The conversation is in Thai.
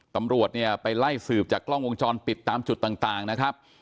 ตำรวจเนี่ยไปไล่สืบจากกล้องวงจรปิดตามจุดต่างนะครับ